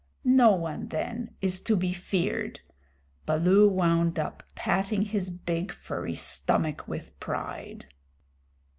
"No one then is to be feared," Baloo wound up, patting his big furry stomach with pride.